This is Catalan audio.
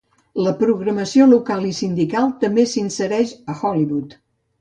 La programació local i sindical també s'insereix a Hollywood.